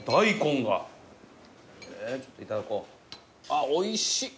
あっおいしい。